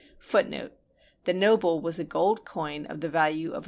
^ The noble was a gold coin of the value of about $s.